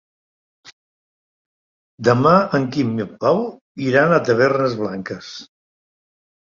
Demà en Quim i en Pau iran a Tavernes Blanques.